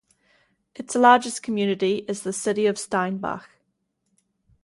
Its largest community is the city of Steinbach.